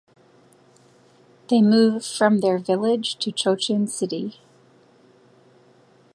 They move from their village to Cochin City.